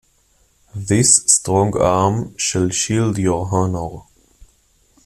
This strong arm shall shield your honor.